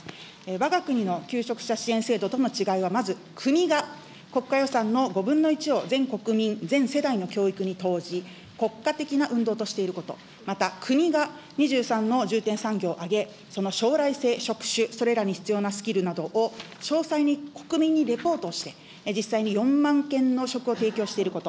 わが国の求職者支援制度との違いは、まず国が国家予算の５分の１を全国民、全世代の教育に投じ、国家的な運動としていること、また国が２３の重点産業を挙げ、その将来性、職種、それらに必要なスキルなどを、詳細に国民にレポートをして、実際に４万件の職を提供していること。